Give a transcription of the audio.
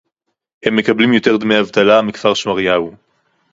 הם מקבלים יותר דמי אבטלה מכפר-שמריהו